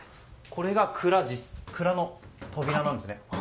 これが蔵の扉なんですね。